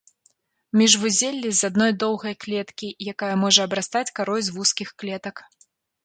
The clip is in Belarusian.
Міжвузеллі з адной доўгай клеткі, якая можа абрастаць карой з вузкіх клетак.